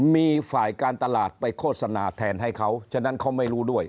มีฝ่ายการตลาดไปโฆษณาแทนให้เขาฉะนั้นเขาไม่รู้ด้วย